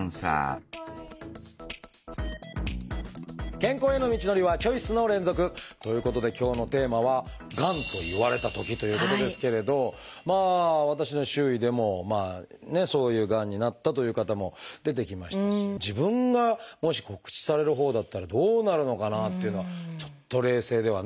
健康への道のりはチョイスの連続！ということで今日のテーマは私の周囲でもまあねそういうがんになったという方も出てきましたし自分がもし告知されるほうだったらどうなるのかなっていうのはちょっと冷静ではね。